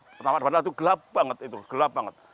pertama tama itu gelap banget gelap banget